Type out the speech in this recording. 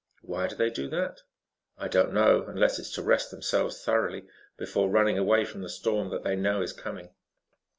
"Why do they do that?" "I don't know, unless it is to rest themselves thoroughly before running away from the storm that they know is coming."